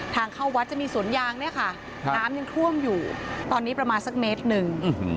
ทางเข้าวัดจะมีสวนยางเนี่ยค่ะน้ำยังท่วมอยู่ตอนนี้ประมาณสักเมตรหนึ่ง